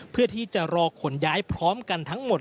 เพื่อที่จะรอขนย้ายพร้อมกันทั้งหมด